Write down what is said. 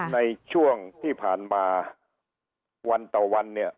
ในช่วงที่ผ่านมาวันต่อวันเนี่ย